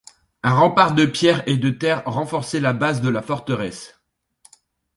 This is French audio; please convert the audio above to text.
Un rempart de pierre et de terre renforçait la base de la forteresse.